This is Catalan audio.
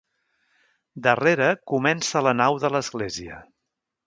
Darrere comença la nau de l'església.